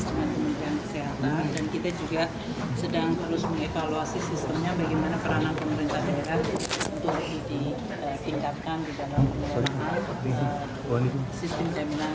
bagaimana peranan pemerintah daerah untuk ditingkatkan di dalam sistem jaminan kesehatan